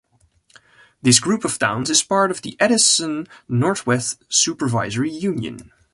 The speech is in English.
This group of towns is part of the Addison Northwest Supervisory Union.